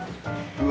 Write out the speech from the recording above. うわ！